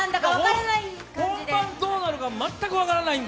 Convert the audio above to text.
本番どうなるか全く分からないんで。